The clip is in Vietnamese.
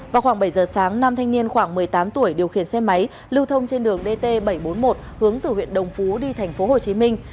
vào khoảng bảy giờ sáng nam thanh niên khoảng một mươi tám tuổi điều khiển xe máy lưu thông trên đường dt bảy trăm bốn mươi một hướng từ huyện đồng phú đi thành phố hồ chí minh